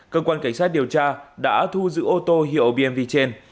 cơ quan cảnh sát điều tra đã thu giữ ô tô hiệu bmw trên